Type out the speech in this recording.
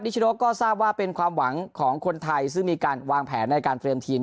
ชโนก็ทราบว่าเป็นความหวังของคนไทยซึ่งมีการวางแผนในการเตรียมทีม